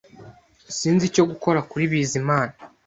Sinzi icyo gukora kuri Bizimana